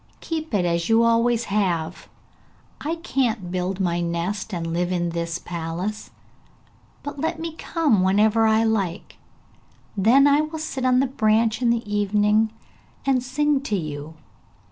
keep it as you have always done! I can't build my nest and live in this palace, but let me come whenever I like, then I will sit on the branch in the evening, and sing to you.